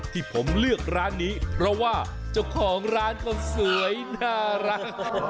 ที่ผมเลือกร้านนี้เพราะว่าเจ้าของร้านก็สวยน่ารัก